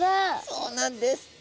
そうなんです。